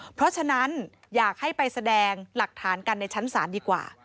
เพราะฉะนั้นอยากให้ไปแสดงหลักฐานกันในชั้นศาลดีกว่า